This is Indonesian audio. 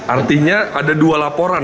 artinya ada dua laporan